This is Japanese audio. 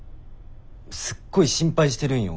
すっごい心配してるんよ